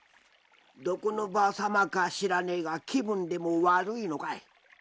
「どこのばあさまか知らねえが気分でも悪いのかい？」